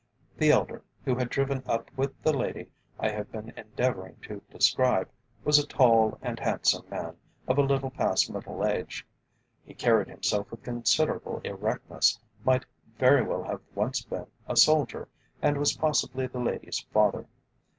The elder, who had driven up with the lady I have been endeavouring to describe, was a tall and handsome man of a little past middle age. He carried himself with considerable erectness, might very well have once been a soldier, and was possibly the lady's father.